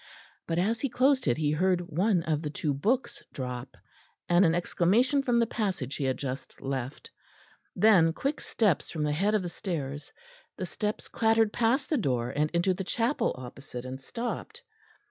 But as he closed it he heard one of the two books drop, and an exclamation from the passage he had just left; then quick steps from the head of the stairs; the steps clattered past the door and into the chapel opposite and stopped.